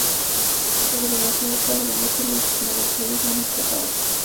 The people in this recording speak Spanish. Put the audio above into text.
Pero demasiado tarde, ya que los malhechores han escapado.